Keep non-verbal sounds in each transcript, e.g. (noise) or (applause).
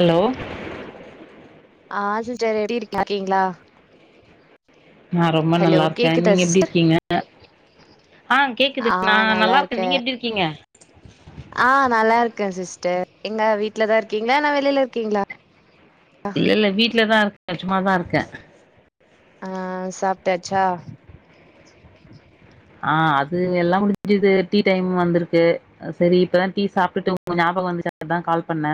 Hello ஆ sister எப்டி இருக் கீங்களா நா ரொம்ப ஹலோ நல்லா இருக்கே கேக்குதா நீங்க எப்டி சிஸ்டர் இருக்கீங்க. ஆ கேக்குது நா நல்லா இருக்கே நீங்க எப்டி இருக்கீங்க ஆ நல்லா இருக்கே சிஸ்டர் எங்க வீட்ல தா இருக்கீங்களா இல்லானா வெளியில இருக்கீங்களா இல்ல இல்ல வீட்லதா இருக்கே சும்மாதா இருக்கே ஆ சாப்ட்டாச்சா ஆ அது எல்லா முடிஞ்சுது டீ டைம் வந்துருக்கு அ சரி இப்பதா டீ சாப்டுட்டு உங்க ஞாபக வந்துச்சு அதா கால் பண்ணே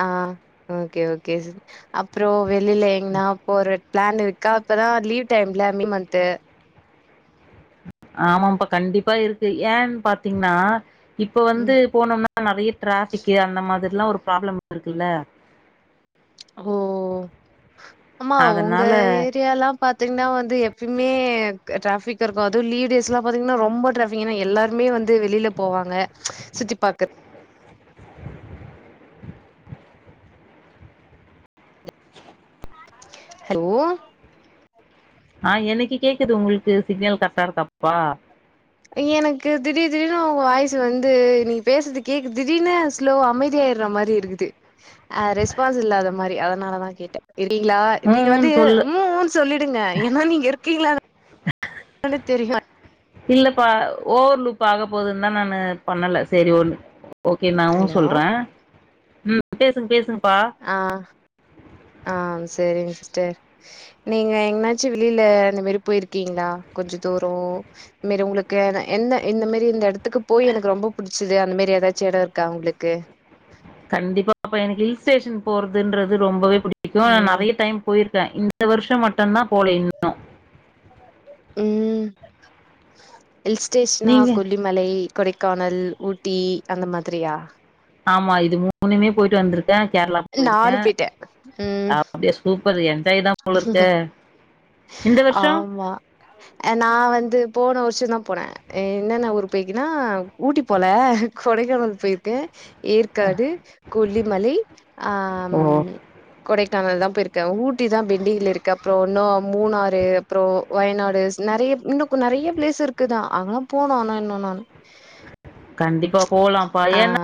ஆ ஓகே ஓகே சி அப்புறோ வெளில எங்கன்னா போற பிளான் இருக்கா இப்பதா லீவ் டைம்ல மே மன்து ஆமாப்பா கண்டிப்பா இருக்கு ஏன் பாத்தீங்கன்னா இப்ப ம் வந்து போனோம்னா நறைய டிராஃபிக்கு அந்த மாதிரில்லா ஒரு ப்ராப்ளம் இருக்குல்ல ஹோ ஆமா உங்க அதனால ஏரியால்லா பாத்தீங்கன்னா வந்து எப்பயுமே டிராஃபிக் இருக்கு அது லீவ் டேஸ்ல்லா பாத்தீங்கன்னா ரொம்ப ட்ராஃப் திங்கன்னா எல்லாருமே வந்து வெளியில போவாங்க சுத்தி பாக்குற் ஹலோ ஆ எனக்கு கேக்குது உங்களுக்கு சிக்னல் கர்ட்டா இருக்காப்பா எனக்கு திடீர் திடீனு உ வாய்சு வந்து நீ பேசற்து கேக்கு திடீர்னு க்ளோ அமைதியாயிர்ற மாரி இருக்குது அ ரெஸ்பான்ஸ் இல்லாத மாரி அதனாலதா கேட்டே இருக்கிங்ளா ம் நீங்க ம் வந்து சொல்லு மோன்ஸ் சொல்லிடுங்க ஏனா நீங்க இருக்கீங்ளானு ஆனு தெரியு இல்லப்பா ஓவர் லுப் ஆகப் போதுன்தா நானு பண்ணல செரி ஒன் ஓகே நா உ ஹலோ சொல்றே ம் பேசுங் பேசுங்கப்பா ஆ ஆ சேரிங்க சிஸ்டர் நீங்க எங்கனாச்சு வெளில இந்த மேரி போயிருக்கீங்ளா கொஞ்ச தூரோ மேரி உங்ளுக்கு ன எந்த இந்த மேரி இந்த எடத்துக்கு போய் எனக்கு ரொம்ப புடிச்சது அந்த மேரி எதாச்சு எடோ இருக்கா உங்ளுக்கு கண்டிப்பா அப்ப எனக்கு ஹில் ஸ்டேஷன் போறதுன்றது ரொம்பவே புடிக்கு ஆனா ம் நெறைய டைம் போயிருக் கே இந்த வருஷம் மட்டுந்தா போல இன் ம் ஹில் ஸ்டேஷனா நீங்க கொல்லிம் மலை கொடைக்கானல் ஊட்டி அந்த மாதிரியா ஆமா இது மூனுமே போயிட்டு வந்திருக்கே கேரளா நானு போயிருக்கே போயிட்டே ம் அப்டியேச் சூப்பர் என்ஜாய்தா போலருக்கே இந்த வருஷோ அ நா வந்து போன வருஷந்தா போனே என்னென்ன ஊப்ரு போயிக்கனா ஊட்டிப் போல கொடைக்கானல் போயிருக்கே ஏற்காடு கொல்லிமலை ஆம் ஓ கொடைக்கானல்தா போயிருக்கே ஊட் ட்டிதா பெண்டிங்ல இருக்கு அப்றோ இன்னு மூனாறு அப்றோ வயநாடுஸ் நெறையப் இன்னுக் நெறைய பிளேஸ் இருக் க்குதா அங்கலாப் போணு ஆனா இன்னு நானு கண்டிப்பா போலாம்ப்பா ஆ ஏனா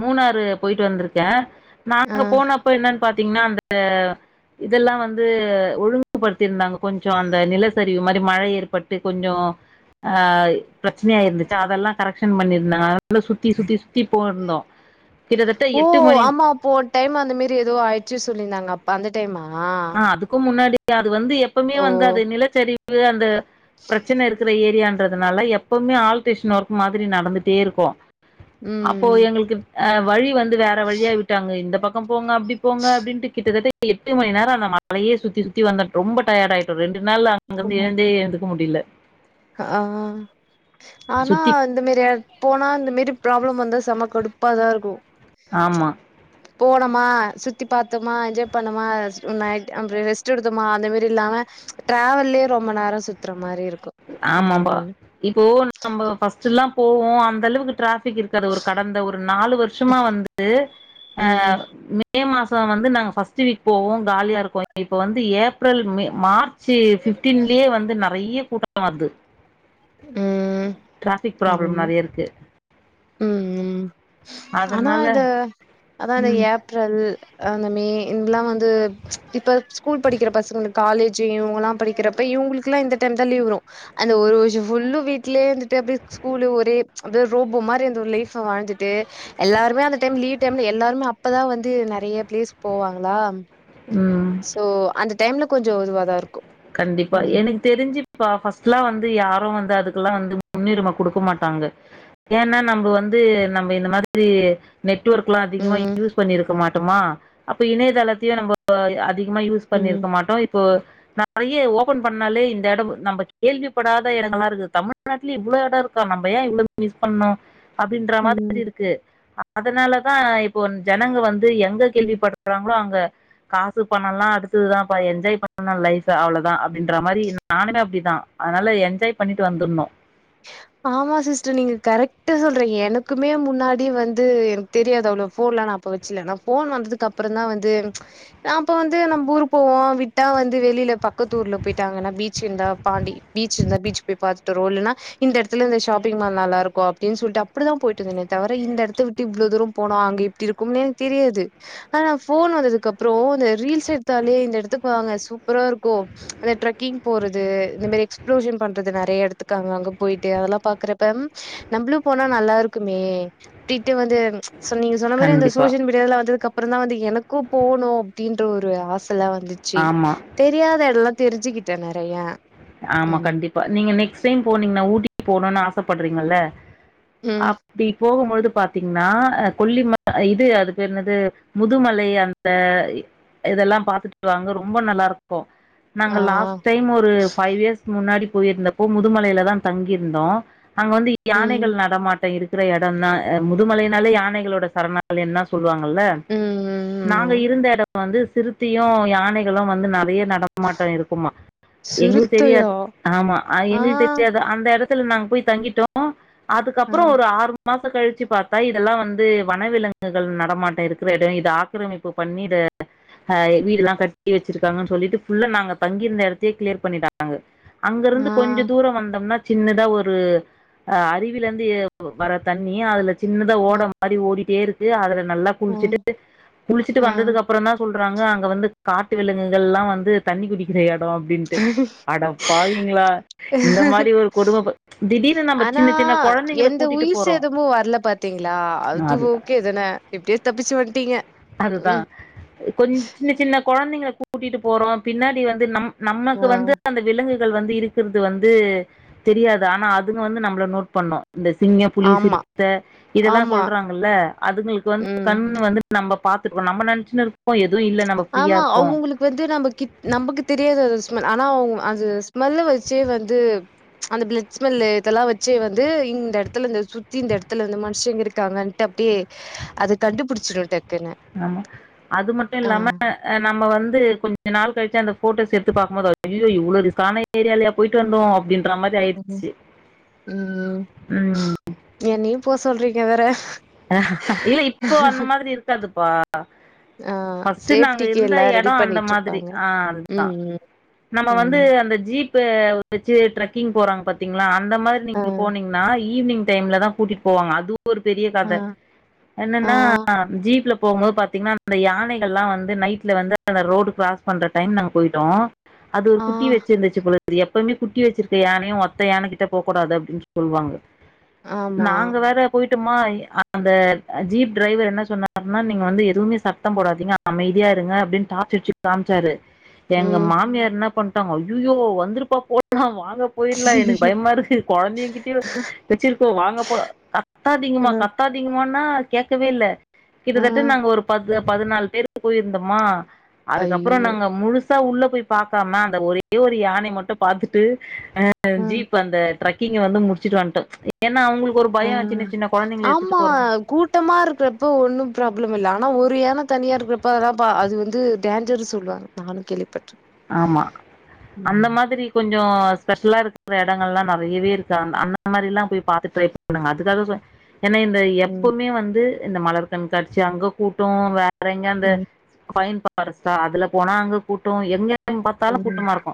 மூனாறு போயிட்டு வந்திருக்கே ஆ நாங்கப் போனப் ப்ப என்னன் பாத்தீங்னா அந்த இதெல்லா வந்து ஒழுங்குபடுத்திருந்தாங்க கொஞ்சோ அந்த நிலசரிவு மாரி மழை ஏற்பட்டு கொஞ்சோ அ பிரச்சனையா இருந்துச்சு அதெல்லாங் கரெக்க்ஷன் பண்ணிந் நா நல்ல சுத்தி சுத்தி சுத்திப் போருந்தோ ஓ ஆமா அப்போ ஒன் டைம் அந்த மேரி எதோ ஆயிட்ச்சு சொல்லிந்தாங்க அப்ப அந்த டைமா க்கும் முன்னாடி அது வந்து எப்பவுமே ஓ வந்து அது நிலச்சரிவு அந்த பிரச்சனை இருக்கிற ஏரியான் றதனால எப்பவுமே ஆல்ட்ரேஷன் ஒர்க் மாதிரி நடந்துட்டே இருக்கு அப்போ ம் எங்குள்க்கு அ வழி வந்து வேற வழியாய் விட்டாங்க இந்த பக்கம் போங்க அப்டி போங்க அப்டின்ட்டு கிட்டதட்ட எட்டு மணி நேர் அ அந்த மலையே சுத்தி சுத்தி வந்தட் ரொம்ப டயர்ட் ஆயிட்டோ ரெண்டு நாள்ல அங்கருந்து ஏந்தே ஏந்துக்க முடில ஆ ஆனா சுத்தி அந் இந்த மேரி எட் போனா இந்த மேரி ப்ராப்ளம் வந்தா செமக்கடுப்பாதா இருக்கு ஆமா போனமா சுத்திப் பாத்தோமா என்ஜாய் பண்ணமாச் நைட் அம் ரெஸ்ட் எடுத்தோமா அந்த மேரி இல்லாம டிராவெல்லியே ரொம்ப நேரோ சுத்ற மாரி இருக்கு ஆமாம்பா ம் இப்போ நம்ம ஃபஸ்ட்டுல்லாம் போவோ அந்தளவுக்கு ட்ராஃப் பிக் இருக்காது ஒரு கடந்த ஒரு நாலு வருஷமா வந்துட்டு அ ம் மே மே மாசோ வந்து நாங்க ஃபர்ஸ்ட்டு வீக் போவோ காலியா இருக்கு இப்போ வந்து ஏப்ரல் மே மார் ச்சி ஃபிஃப்டீன்லியே வந்து நெறைய கூட்டோ வர்து ம் ஆமா நெறைய இருக்கு ம் ம் ஆனா அதனால இந்த அதா இந்த ம் ஏப்ரல் அந்த மே இன்லா வந்து இப்ப ஸ்கூல் படிக்கிற பசங்களுக் காலேஜி இவங்கலாம் படிக்கிறப் இப்ப இவுங்ளுக்குலா இந்த டைம்தா லீவ் வரு அந்த ஒரு வருஷம் ஃபுல்லு வீட்லே இந்துட்டு அப்டியே ஸ்கூலு ஒரே அந்த ரோப் போ மாரி அந்த ஒரு லைஃப வாழ்ந்துட்டு எல்லாருமே அந்த டைம் லீவ் டைம்ல எல்லாருமே அப்பதா வந்து நெறைய பிளேஸ் போவாங்ளா ம் சோ அந்த டைம்ல கொஞ்சோ இதுவாதா இருக்கு கண்டிப்பா ம் எனக் தெரிஞ்சுப் பா ஃபஸ்ட்டுலா வந்து யாரு வந்து அதுக்குல்லா வந்து முன்னுரிம குடுக்க மாட்டாங்க கேனா நம்ப வந்து நம்ப இந்த மாதிரி நெட்ஒர்க்லா அதிகமா ம் யூஸ் பண்ணிருக்க மாட்டோமா அப்போ இணையதளத்தயு நம்போ அதிகமா யூஸ் ம் பண்ணிருக்க மாட்டோ இப்போ நெறைய ஓபன் பண்ணாலே இந்த எடோ நம்ப கேள்விப்படாத எடங்களா இருக்கு தமிழ்நாட்டுல இவ்ளோ எடோ இருக்கா நம்ம ஏ இவ்ளோ மிஸ் பண்ணோ அப்டின்ற ம் மாதிரிருக் க்கு அதனாலதா இப்போ ஜனங்க வந்து எங்க கேள்விப்படுறாங்களோ அங்க காசு பணோல்லா அடுத்ததுதாம்ப்பா எஞ்ஜாய் பண் (inaudible) லைஃப் அவ்ளோதா அப்டின்ற மாரி நானுமே அப்டிதா அதனால எஞ்ஜாய் பண்ணிட்டு வந்துருணு ஆமா சிஸ்டர் நீங்க கரெக்ட்டா சொல்றீங்க எனக்குமே முன்னாடி வந்து தெரியாது அவ்ளோ ஃபோன்லா நா அப்ப வச்சில ஆனா ஃபோன் வந்ததுக்கப்றந்தா வந்து நா அப்ப வந்து நம்ப ஊர் போவோ விட்டா வந்து வெளில பக்கத்தூர்ல போயிட்டாங்கன்னா பீச் இருந்தா பாண்டி பீச் இருந்தா பீச் போய் பாத்துட்டு வருவோ இல்லேன்னா இந்த எடத்துல இந்த ஷாப்பிங் மால் நல்லா இருக்கு அப்டீன்னு சொல்லிட்டு அப்புடிதா போயிட்டுருந்தேனே தவிர இந்த எடத்த விட்டு இவ்ளோ தூரோ போனு அங்க இ ப்டி இருக்கும்னே எனக்கு தெரியாது ஆனா ஃபோன் வந்ததுக்கப்றோ இந்த ரீல்ஸ் எடுத்தாலே இந்த எடத்துக்கு வாங்க சூப்பரா இருக்கு அந்த ட்ரெக்கிங் போறது இந்த மாரி எக்ஸ்ப்ளோஷன் பண்றது நெறைய எடத்துக்கு அங்க அங்க போயிட்டு அதெல்லா பாக்குறப்ப நம்பளும் போனா நல்லா இருக்குமே அப்டீட்டு வந்து சோ நீங்க சொன்ன மாரி அந்த கண்டிப்பா சோசியல் மீடியாவெல்லா வந்ததுக்கு அப்றந்தா வந்து எனக்கு போணு அப்டின்ற ஒரு ஆச செல்லா வந்துச்சு ஆமா தெரியாத எடல்லா தெரிஞ்சுக்கிட்டே நெறையா ஆமா கண்டிப்பா நீங்க நெக்ஸ்ட் டைம் போனீங்கன்னா ஊட்டிக்கு போனுன்னு ஆசைப்படுறீங்கல்ல ம் அப்டி போகும் பொழுது பாத்தீங்கன்னா அ கொல்லிம இது அது பேர் என்னது முதுமலை அந் ந்த இதெல்லா பாத்துட்டு வாங்க ரொம்ப நல்லாருக்கு நாங்க ஆ லாஸ்ட் டைம் ஒரு ஃபைவ் இயர்ஸ் முன்னாடி போயிருந்தப்போ முதுமலையிலதா தங்கிருந்தோ அங்க வந்து ம் யானைகள் நடமாட்டோ இருக் க்குற எடந்தா அ முதுமலைன்னாலே யானைகளோட சரணாலயன்தா சொல்லுவாங் கல்லே ம் ம் நாங்க ம் இருந்த எடோ வந்து சிறுத்தயு யானைகளு வந்து நெறைய நடமாட்டோ இருக்குமா எங்களுக் சிறுத்தையா தெரியாது ஆமா அ ஆ எங்களுக் தெரியாது அந்த எடத்துல நாங்க போய் தங்கிட்டோ டோ ஆ அதுக்கப்பறோ ஒரு ஆறு மாசங் கழிச்சு பாத்தா இதெல்லா வந்து வனவிலங்குகள் நடமாட்ட இருக்கிற எடொ இத ஆக்கிரமிப்பு பண்ணி இத ஹ வீடுல்லா கட்டி வச்சிருக்காங்கன் சொல்லிட்டு ஃபுல்லா நாங்க தங்கியிருந்த எடத்தயே க்ளியர் பண்ணிட்டாங்க அங்கருந்து ஆ கொஞ்சொ தூரோ வந்தம்னா சின்னதா ஒரு அ அருவிலந்து எ வர தண்ணிய அதுல சின்னதா ஆ ஓட மாரி ஓடிட்டே இருக்கு அதுல நல்லா குளிச்சுட்டு குளிச்சுட்டு ஆ வந்ததுக்கப்பறந்தா சொல் றாங்க அங்க வந்து காட்டு விலங்குகள்ல்லா வந்து தண்ணி குடிக்கிற எடோ அப் ம்ம் ஹ அட பாவிங்களா இந்த மாரி ஒரு கொடும ப திடீர்னு நம்ம சின்ன சின்ன கொழந்தங்கள கூட்டிட்டு போறோ ந்தமு வர்ல பாத்தீங்களா அது ஓகேதானே எப்டியோ தப்பிச்சு வந்ட்டீங்க அதுதா ம். எ கொஞ் சின்ன சின்ன கொழந்தைங்கள கூட்டிட்டு போறோ பின்னாடி வந்து நம் ஆ. நம்மக்கு வந்து அந்த விலங்குகள் வந்து இருக்குறது வந்து தெரியாது ஆனா அதுங்க வந்து நம்பள நோட் பண்ணு இந்த சிங்க புலி ஆமா, சிறுத்த இதல்லா ஆமா. சொல்றாங்கல்ல அதுங்களுக்கு வந்து ம். கண் வந்து நம்ம பாத்துக்குவோ நம்ம நெனச்சுன்னுருப்போ எதுவு இல்ல நம்ம ஃப்ரீயா ஆமா இருக்கோம் அவுங்களுக் வந்து நம்மகிட் நமக்கு தெரியாது அந்த ஸ்மெல் ஆனா அவுங்க அது ஸ்மெல்ல வச்சே வந்து அந்த ப்ளட் ஸ்மெல்லு இதெல்லா வச்சு வந்து இந்த எடத்துல இந்த சுத்தி இந்த எடத்துல இந்த மனுஷங்க இருக்காங்க அப்டியே அது கண்டுபுடிச்சுடு டக்குன்னு ஆமா அது மட்டு ஆ. இல்லாம நம்ம வந்து கொஞ்ச நாள் கழிச்சு அந்த போட்டோஷ் எடுத்து பாக்கும்போது அய்யய்யோ இவ்ளோ ரிஸ்க்கான ஏரியாலயா போய்ட்டு வந்தோ அப்டின் இருக்குற மாரி ம். ஆயிடுச்சு ம் என்னையு போ சொல்றீங்க வேற இல்ல இப்போ அந்த மாதிரி இருக்காதுப்பா ஆ ஃபர்ஸ்ட் நாங்க சேஃப்டிக்கு இருந்த எல்லாம் ரெடி எடோ அந்த மாதிரி பண்ணிட்ருப்பாங்க. ஆ அதுதா ம், ம், நம்ம வந்து ம். அந்த ஜீப்ப வச்சு ட்ரெக்கிங் போறாங்க பாத்தீங்களா அந்த மாதிரி ஆ நீங்க போனீங்கன்னா ஈவினிங் டைம்ல தா கூட்டிட்டு போவாங்க அதுவு ஒரு பெரி ஆ காத ஆ என்னன்னா ஜீப்ல போகும்போது பாத்தீங்னா அந்த யானைகள்லாவந்து நைட்ல வந்து அந்த ரோடு க்ராஸ் பண்ற டைம் நாங்க போய்ட்டோ அது ஒரு ஆ குட்டி வச்சிருந்துச்சு போலருக் அது எப்பவுமே குட்டி வச்சிருக்க யானையு ஒத்த யானைகிட்ட போக்கூடாது அப்டின்னு சொல்வாங்க ஆமா. நாங்க வேற பொய்ட்டம்மா அந்த ஜீப் ட்ரைவர் என்ன சொன்னார்னா நீங்க வந்து எதுவுமே சத்தம் போடாதீங்க அமைதியா இருங்க அப்டின்னு டார்ச் அடிச்சு காம்ச்சாரு எங்க ம். மாமியார் என்ன பண்ட்டாங்க அய்யய்யோ வந்துருப்பா போலா வாங்கப் போயிர்லா சரி. எனக்கு பயமா இருக்கு கொழந்தைய கிட்டயே வச் வச்சிருக்கோ வாங்க போலா அ கத்தாதிங்கமா கத்தாதிங்கமானா கேக்கவே இல்ல ஆ கிட்டத்தட்ட நாங்க ஒரு பத்து பதினாலு பேரு போயிருந்தமா அதுக்கப்பறோ ஐயோ! நாங்க முழு பெருசா உள்ள போய் பாக்காம அந்த ஒரே ஒரு யானைய மட்டு பாத்துட்டு அ ஜீப் அந்த ட்ரக் ட்ரக்கீங்க வந்து முடிச்சுட்டு வன்ட்டோ ஏன்னா அவுங்களுக்கு ஒரு ஆ பயோ சின்ன சின்ன கொழந்தைங்கள ஆமா எடுத்துட்டு போறோ கூட்டமா இருக்குறப்போ ஒன்னும் ப்ராப்ளம் இல்ல ஆனா ஒரு யான தனியா இருக்குறப்பதாம்பா அது வந்து டேஞ்சர்ஸ் சொல்றாங்க நானு கேள்வி பட்ருக் ஆமா அந்த மாதிரி கொஞ்சோ ஸ்பெஷலா இருக்குற எடங்கள்லா நெறையவே இருக்கு அந் அந்த மாரிலா போய் பாத்து ட்ரை பண்ணுங்க அதுக்காக சொன் ஏன்னா இந்த ம். எப்பவுமே வந்து இந்த மலர் கண்காட்சி அங்க கூட்டோ வேறெங்க அந்த ம். ஃபைன் பாரஸ்ட்டா அதுல போனா அங்க கூட்டோ எங்க டைம் பாத்தாலு ம். கூட்டமா இருக்கு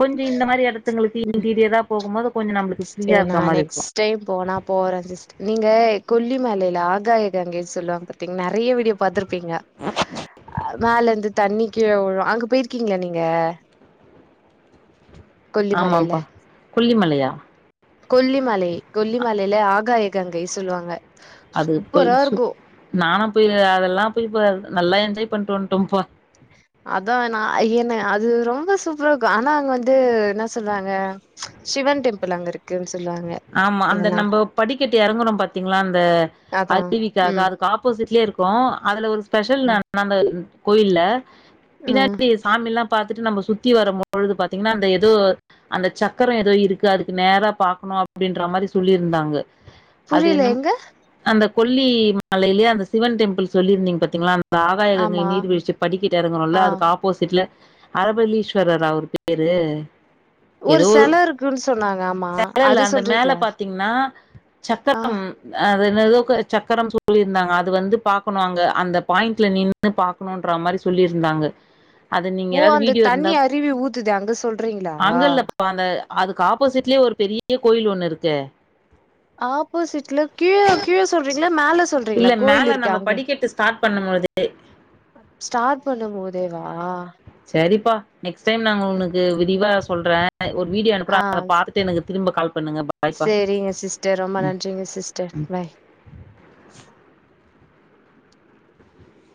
கொஞ்சோ இந்த மாரி எடத்துங்களுக்கு ம். இன்டீரியரா போகும்போது கொஞ்ச நம்மளுக்கு சரி ஃப்ரீயா இருக்குற நான் மாரி இருக்கலா நெக்ஸ்ட் டைம் போனா போறே சிஸ்டர் நீங்க கொல்லிமலையில ஆகாய கங்கைனு சொல்லுவாங்க பாத் திங்னா நெறைய வீடியோ பாத்துருப்பீங்க மேல இருந்து தண்ணி கீழ விழு அங்க போயிருக் கீங்ளா நீங்க கொல்லி மலையில ஆமாப்பா கொல்லிமலையா கொல்லிமலை கொல்லிமலையில ஆகாய கங்கை சொல்லுவாங்க அது போய் சூப்பரா சு இருக்கு நானா போய் அதெல்லா போய் ப நல்லா என்ஜாய் பண்ட்டு வன்ட்டோம் பா அதா நா என்ன அது ரொம்ப சூப்பரா இருக்கு ஆனா அங்க வந்து என்ன சொல்றாங்க சிவன் டெம்புள் அங்க இருக்குன் சொல்லுவாங்க ஆமா அந்த அதனா நம்போ படிக்கட்டு எறங்குறோம் பாத்தீங்ளா அந்த அதா அரிவிக்காகதா ம் அதுக்கு ஆப்போசிட்லயே இருக்கு க்கு அதுல ஒரு ஸ்பெஷல் நம் நம்ப கோயில்ல ம் பின்னாடி எஸ் சாமில்லா பாத்துட்டு நம்ப சுத்தி வரும் பொழுது பாத்தீங்கன்னா அந்த எதோ அந்த சக்கரோ எதோ இருக்கு அதுக்கு நேரா பாக்கணு அப் அப்டின்ற மாரி சொல்லிருந்தாங்க அது புரியல இன்னு எங்க அந்த கொல்லி மலையிலயே அந்த சிவன் டெம்பிள் சொல்லிருந்தீங்க பாத்தீங்களா இந்த ஆகாயகங்கை ஆமா நீர் வீழ்ச்சி படிக்கிட்ட ஆ எறங்குறோல்ல அதுக்கு ஆப் போசிட்ல அரபலீஸ்வரரா அவரு பேரு ஒரு செல இருக்குன்னு சொன்னாங்க ஆமா மேல அது செ அந்த மேல பாத்தீங்னா ஆ சக்கரம் அ அது என்னதோ சக்கரம் சொல்லிருந்தாங்க அது வந்து பாக்கணு அங்க அந்த பாயிண்ட்ல நின் னு பாக்கணுன்ற மாரி சொல்லிருந்தாங்க ஓ அந்த தண்ணி அருவி ஊத்துதே அங்க சொல்றீங்ளா இப்ப அந்த அதுக்கு ஆப்போசிட்லயே ஒரு பெரிய கோயில் ஒண்ணு இருக்கே ஆப்போசிட்ல கீழ கீழ சொல்றீங்களா மேல சொல்றீங்களா கோயில் இருக்கே அங்க ஸ்டாட் பண்ணும்போதே ஸ்டார்ட் பண்ணும்போதேவா சரிப்பா நெக்ஸ்ட் டைம் நாங்க உனுக்கு விரிவா சொல்ற அ ஒரு வீடியோ அனுப்புறே ஆ அத பாத்துட்டு எனக்கு திரும்ப கால் பண்ணுங்க பா சேரிங்க சிஸ்டர் ரொம்ப நன்றிங்க சிஸ்டர் பாய்